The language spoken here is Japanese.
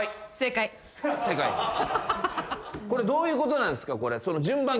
これどういうことなんですか？